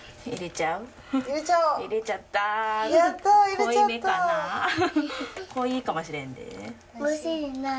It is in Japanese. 濃いかもしれんで。